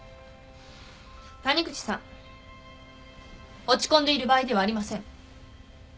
谷口さん落ち込んでいる場合ではありません。